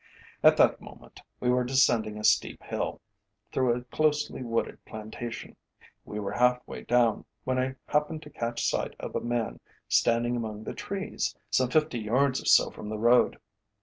At that moment we were descending a steep hill, through a closely wooded plantation. We were half way down, when I happened to catch sight of a man standing among the trees, some fifty yards or so from the road.